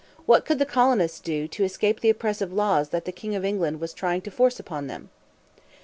What could the colonists do to escape the oppressive laws that the King of England was trying to force upon them?